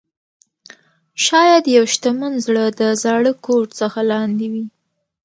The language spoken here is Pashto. شاید یو شتمن زړه د زاړه کوټ څخه لاندې وي.